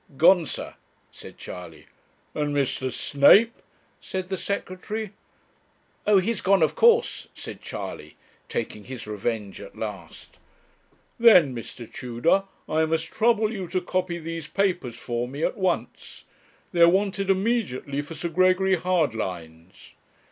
'Gone, sir,' said Charley. 'And Mr. Snape?' said the Secretary. 'Oh, he is gone, of course,' said Charley, taking his revenge at last. 'Then, Mr. Tudor, I must trouble you to copy these papers for me at once. They are wanted immediately for Sir Gregory Hardlines.'